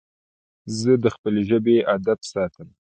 زه د خپلي ژبي ادب ساتم.